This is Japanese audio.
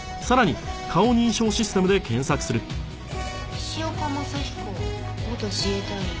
石岡政彦元自衛隊員。